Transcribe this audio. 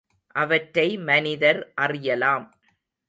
அவற்றை மனிதர் அறிலாம்.